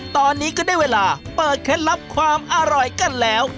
ตอนนี้ก็ได้เวลาเปิดเคล็ดลับความอร่อยกันแล้ว